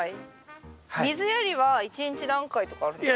水やりは一日何回とかあるんですか？